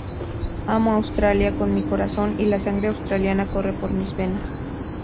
Amo Australia con mi corazón y la sangre australiana corre por mis venas"".